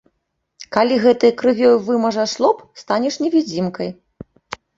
Калі гэтай крывёй вымажаш лоб, станеш невідзімкай.